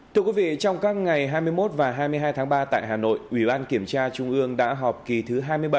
thưa quý vị trong các ngày hai mươi một và hai mươi hai tháng ba tại hà nội ủy ban kiểm tra trung ương đã họp kỳ thứ hai mươi bảy